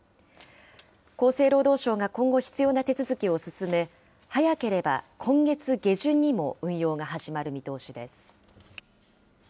厚生労働省が今後必要な手続きを進め、早ければ今月下旬にも運用が始まる見通しです。